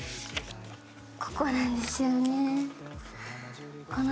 ここなんですよね。